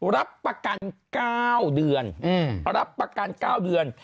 รับประกัน๙เดือน